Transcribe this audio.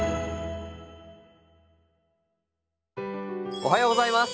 おはようございます。